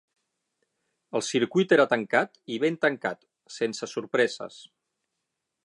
El circuit era tancat i ben tancat, sense sorpreses.